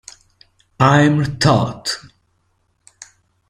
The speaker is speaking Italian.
Imre Toth